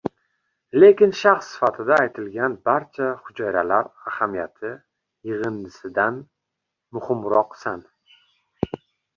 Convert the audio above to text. Lekin, shaxs sifatida, aytilgan barcha hujayralar ahamiyati yig‘indisidan muhimroqsan.